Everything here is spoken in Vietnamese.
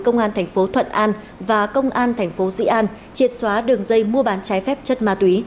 công an tp thuận an và công an tp dĩ an triệt xóa đường dây mua bán trái phép chất ma túy